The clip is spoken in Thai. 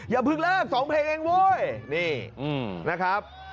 อย่าพึกราบสองเพลงเองโว้ยนี่นะครับ